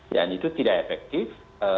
dan itu tidak efektif